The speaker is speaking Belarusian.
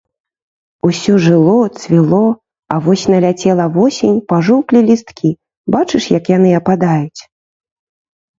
Усё жыло, цвіло, а вось наляцела восень, пажоўклі лісткі, бачыш, як яны ападаюць.